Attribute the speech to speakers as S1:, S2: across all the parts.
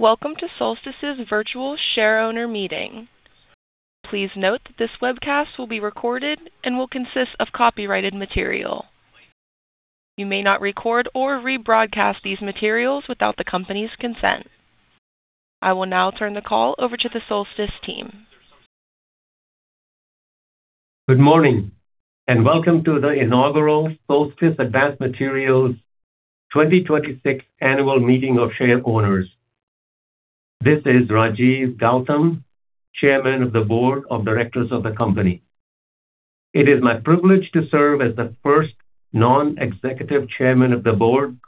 S1: Welcome to Solstice's virtual shareowner meeting. Please note that this webcast will be recorded and will consist of copyrighted material. You may not record or rebroadcast these materials without the company's consent. I will now turn the call over to the Solstice team.
S2: Good morning, and welcome to the inaugural Solstice Advanced Materials 2026 Annual Meeting of Shareowners. This is Rajeev Gautam, Chairman of the Board of Directors of the company. It is my privilege to serve as the first Non-Executive Chairman of the Board,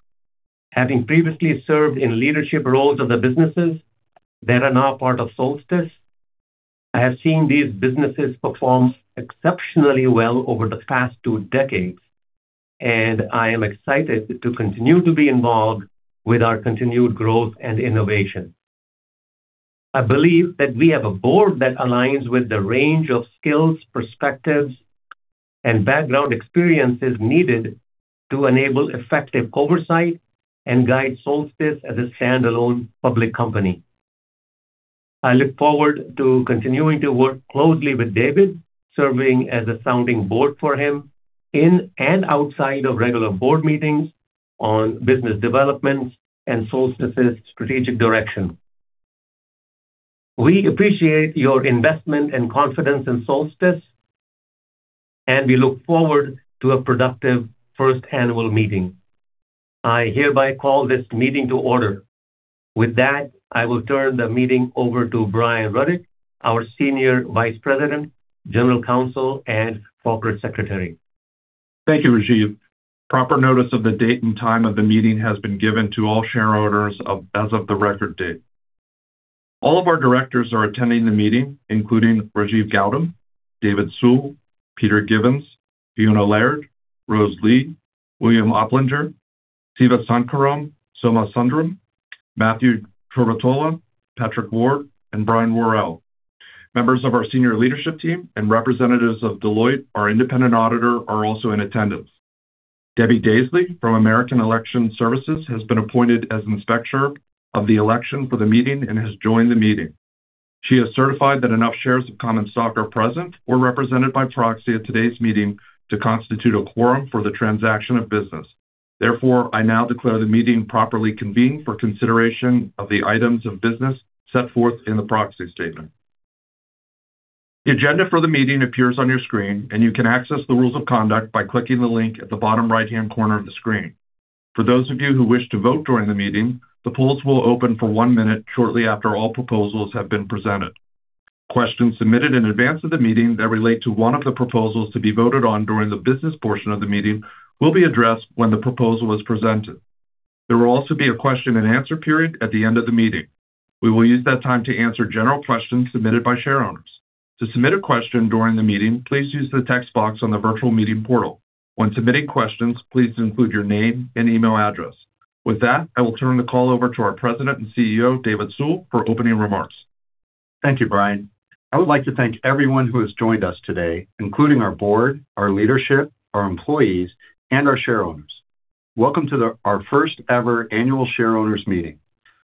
S2: having previously served in leadership roles of the businesses that are now part of Solstice. I have seen these businesses perform exceptionally well over the past two decades, and I am excited to continue to be involved with our continued growth and innovation. I believe that we have a board that aligns with the range of skills, perspectives, and background experiences needed to enable effective oversight and guide Solstice as a standalone public company. I look forward to continuing to work closely with David, serving as a sounding board for him in and outside of regular board meetings on business developments and Solstice's strategic direction. We appreciate your investment and confidence in Solstice, and we look forward to a productive first Annual Meeting. I hereby call this meeting to order. With that, I will turn the meeting over to Brian Rudick, our Senior Vice President, General Counsel, and Corporate Secretary.
S3: Thank you, Rajeev. Proper notice of the date and time of the meeting has been given to all shareowners as of the record date. All of our directors are attending the meeting, including Rajeev Gautam, David Sewell, Peter Gibbons, Fiona Laird, Rose Lee, William Oplinger, Sivasankaran Somasundaram, Matthew Trerotola, Patrick Ward, and Brian Worrell. Members of our senior leadership team and representatives of Deloitte, our independent auditor, are also in attendance. Debbie Daisley from American Election Services has been appointed as Inspector of the Election for the meeting and has joined the meeting. She has certified that enough shares of common stock are present or represented by proxy at today's meeting to constitute a quorum for the transaction of business. Therefore, I now declare the meeting properly convened for consideration of the items of business set forth in the proxy statement. The agenda for the meeting appears on your screen, and you can access the rules of conduct by clicking the link at the bottom right-hand corner of the screen. For those of you who wish to vote during the meeting, the polls will open for one minute shortly after all proposals have been presented. Questions submitted in advance of the meeting that relate to one of the proposals to be voted on during the business portion of the meeting will be addressed when the proposal is presented. There will also be a question-and-answer period at the end of the meeting. We will use that time to answer general questions submitted by shareowners. To submit a question during the meeting, please use the text box on the virtual meeting portal. When submitting questions, please include your name and email address. With that, I will turn the call over to our President and CEO, David Sewell, for opening remarks.
S4: Thank you, Brian. I would like to thank everyone who has joined us today, including our board, our leadership, our employees, and our shareowners. Welcome to our first ever Annual Shareowners Meeting.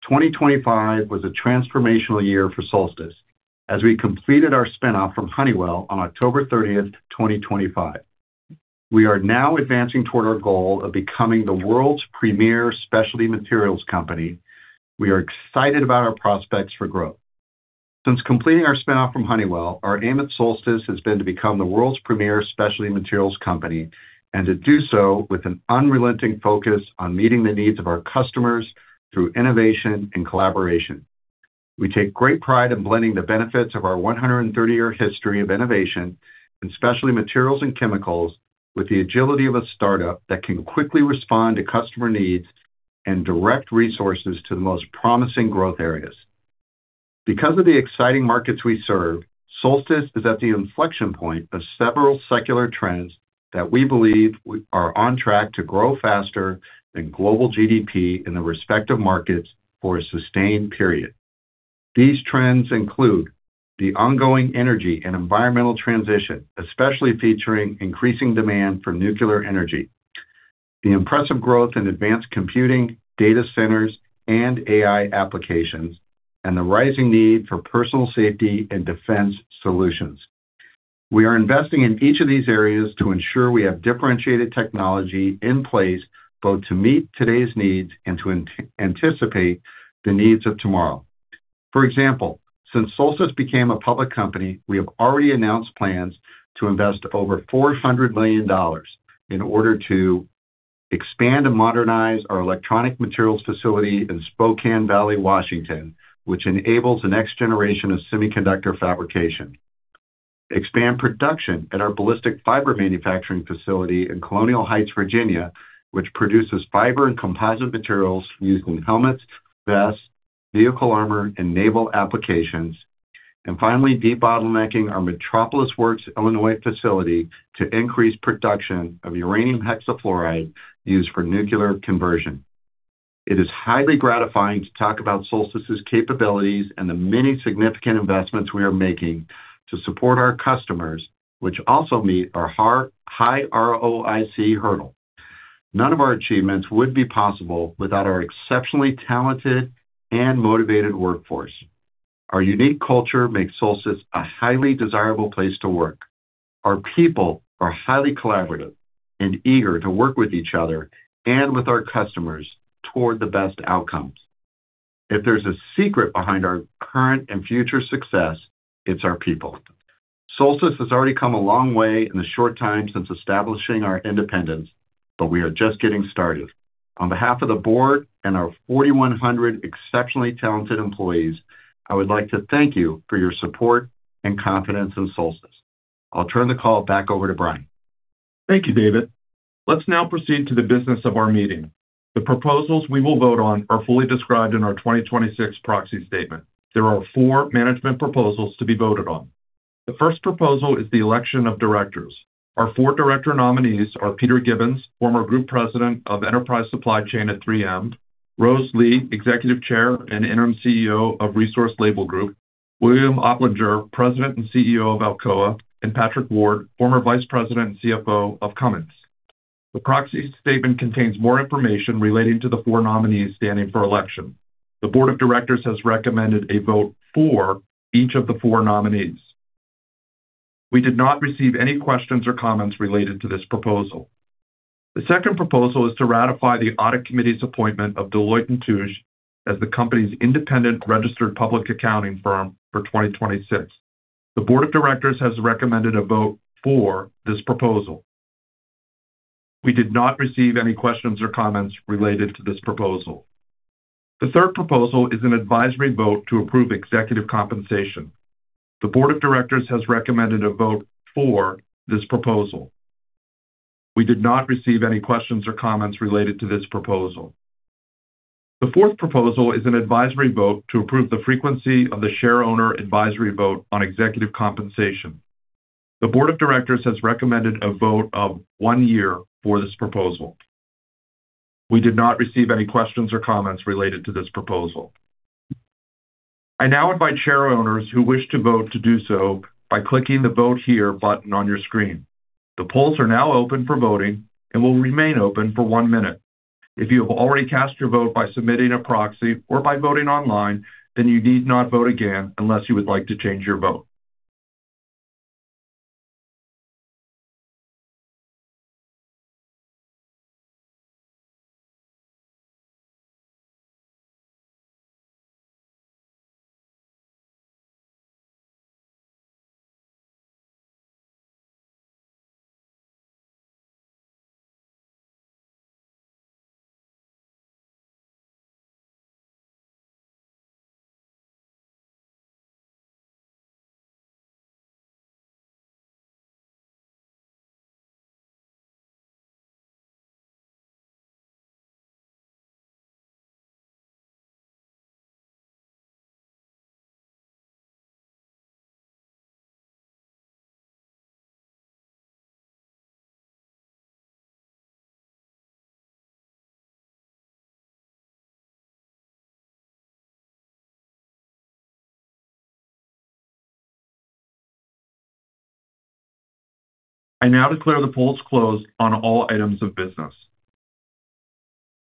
S4: 2025 was a transformational year for Solstice as we completed our spin-off from Honeywell on October 30th, 2025. We are now advancing toward our goal of becoming the world's premier specialty materials company. We are excited about our prospects for growth. Since completing our spin-off from Honeywell, our aim at Solstice has been to become the world's premier specialty materials company and to do so with an unrelenting focus on meeting the needs of our customers through innovation and collaboration. We take great pride in blending the benefits of our 130-year history of innovation in specialty materials and chemicals with the agility of a startup that can quickly respond to customer needs and direct resources to the most promising growth areas. Because of the exciting markets we serve, Solstice is at the inflection point of several secular trends that we believe are on track to grow faster than global GDP in the respective markets for a sustained period. These trends include the ongoing energy and environmental transition, especially featuring increasing demand for nuclear energy, the impressive growth in advanced computing, data centers, and AI applications, and the rising need for personal safety and defense solutions. We are investing in each of these areas to ensure we have differentiated technology in place, both to meet today's needs and to anticipate the needs of tomorrow. For example, since Solstice became a public company, we have already announced plans to invest over $400 million in order to expand and modernize our electronic materials facility in Spokane Valley, Washington, which enables the next generation of semiconductor fabrication. Expand production at our ballistic fiber manufacturing facility in Colonial Heights, Virginia, which produces fiber and composite materials used in helmets, vests, vehicle armor, and naval applications. Finally, debottlenecking our Metropolis Works Illinois facility to increase production of uranium hexafluoride used for nuclear conversion. It is highly gratifying to talk about Solstice's capabilities and the many significant investments we are making to support our customers, which also meet our high ROIC hurdle. None of our achievements would be possible without our exceptionally talented and motivated workforce. Our unique culture makes Solstice a highly desirable place to work. Our people are highly collaborative and eager to work with each other and with our customers toward the best outcomes. If there's a secret behind our current and future success, it's our people. Solstice has already come a long way in the short time since establishing our independence, but we are just getting started. On behalf of the board and our 4,100 exceptionally talented employees, I would like to thank you for your support and confidence in Solstice. I'll turn the call back over to Brian.
S3: Thank you, David. Let's now proceed to the business of our meeting. The proposals we will vote on are fully described in our 2026 proxy statement. There are four management proposals to be voted on. The first proposal is the election of directors. Our four director nominees are Peter Gibbons, former Group President of Enterprise Supply Chain at 3M, Rose Lee, Executive Chair and Interim CEO of Resource Label Group, William Oplinger, President and CEO of Alcoa, and Patrick Ward, former Vice President and CFO of Cummins. The proxy statement contains more information relating to the four nominees standing for election. The Board of Directors has recommended a vote for each of the four nominees. We did not receive any questions or comments related to this proposal. The second proposal is to ratify the audit committee's appointment of Deloitte & Touche as the company's independent registered public accounting firm for 2026. The Board of Directors has recommended a vote for this proposal. We did not receive any questions or comments related to this proposal. The third proposal is an advisory vote to approve executive compensation. The Board of Directors has recommended a vote for this proposal. We did not receive any questions or comments related to this proposal. The fourth proposal is an advisory vote to approve the frequency of the shareowner advisory vote on executive compensation. The Board of Directors has recommended a vote of one year for this proposal. We did not receive any questions or comments related to this proposal. I now invite shareowners who wish to vote to do so by clicking the Vote Here button on your screen. The polls are now open for voting and will remain open for one minute. If you have already cast your vote by submitting a proxy or by voting online, then you need not vote again unless you would like to change your vote. I now declare the polls closed on all items of business.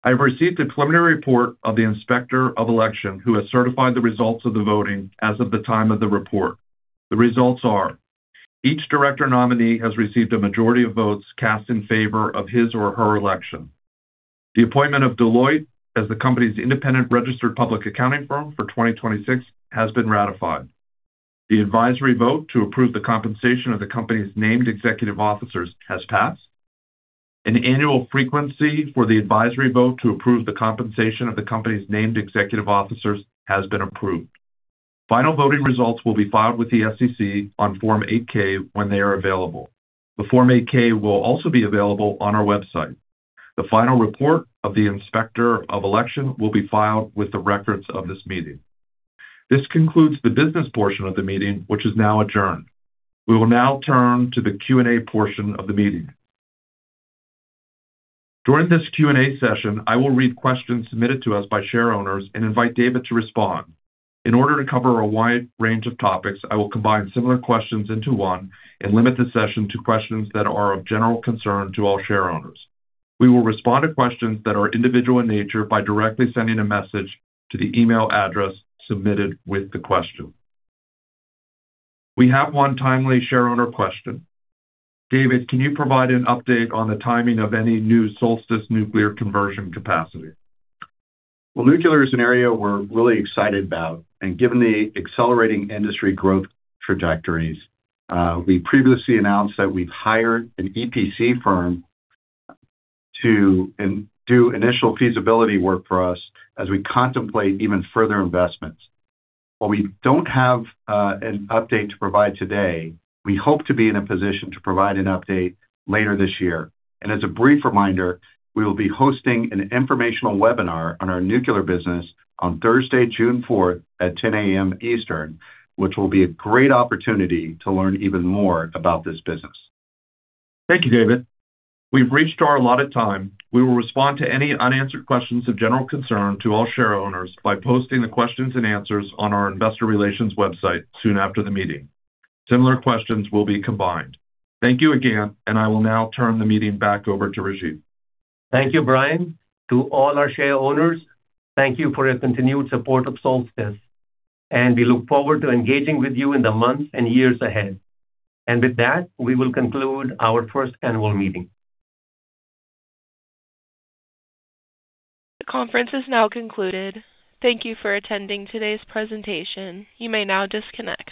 S3: I have received a preliminary report of the Inspector of Election who has certified the results of the voting as of the time of the report. The results are: each director nominee has received a majority of votes cast in favor of his or her election; the appointment of Deloitte as the company's independent registered public accounting firm for 2026 has been ratified; the advisory vote to approve the compensation of the company's named executive officers has passed; an annual frequency for the advisory vote to approve the compensation of the company's named executive officers has been approved. Final voting results will be filed with the SEC on Form 8-K when they are available. The Form 8-K will also be available on our website. The final report of the Inspector of Election will be filed with the records of this meeting. This concludes the business portion of the meeting, which is now adjourned. We will now turn to the Q&A portion of the meeting. During this Q&A session, I will read questions submitted to us by shareowners and invite David to respond. In order to cover a wide range of topics, I will combine similar questions into one and limit the session to questions that are of general concern to all shareowners. We will respond to questions that are individual in nature by directly sending a message to the email address submitted with the question. We have one timely shareowner question. David, can you provide an update on the timing of any new Solstice nuclear conversion capacity?
S4: Well, nuclear is an area we're really excited about. Given the accelerating industry growth trajectories, we previously announced that we've hired an EPC firm to do initial feasibility work for us as we contemplate even further investments. While we don't have an update to provide today, we hope to be in a position to provide an update later this year. As a brief reminder, we will be hosting an informational webinar on our nuclear business on Thursday, June 4th at 10:00 A.M. Eastern, which will be a great opportunity to learn even more about this business.
S3: Thank you, David. We've reached our allotted time. We will respond to any unanswered questions of general concern to all shareowners by posting the questions and answers on our investor relations website soon after the meeting. Similar questions will be combined. Thank you again, and I will now turn the meeting back over to Rajeev.
S2: Thank you, Brian. To all our shareowners, thank you for your continued support of Solstice, and we look forward to engaging with you in the months and years ahead. With that, we will conclude our first Annual Meeting.
S1: The conference is now concluded. Thank you for attending today's presentation. You may now disconnect.